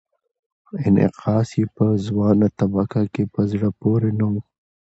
انعکاس یې په ځوانه طبقه کې په زړه پورې نه و.